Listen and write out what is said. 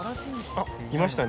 あっいましたね。